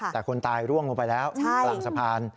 แต่คนตายร่วงลงไปแล้วกลางสะพาน